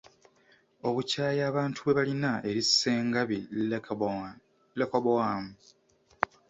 Obukyaayi abantu bwe balina eri Ssengabi Lecoboam.